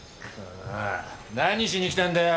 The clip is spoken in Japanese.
何しに来たんだよ！？